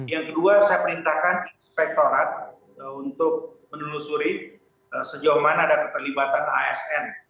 yang kedua saya perintahkan inspektorat untuk menelusuri sejauh mana ada keterlibatan asn